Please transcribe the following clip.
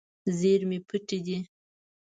زیرمې پټې دي.